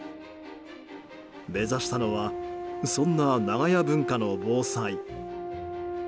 目指したのはそんな長屋文化の防災。